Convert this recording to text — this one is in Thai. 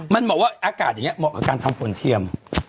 มันเหมาะกับว่าอากาศเหมือนกับการทำฝนเพียม